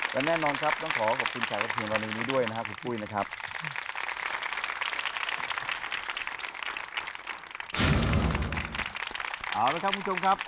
และแน่นอนต้องขอขอบคุณชายกับคุณเราในวันนี้ด้วยนะครับคุณปุ๊ยนะครับ